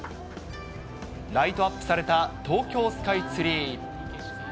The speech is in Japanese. ライトアップされた東京スカイツリー。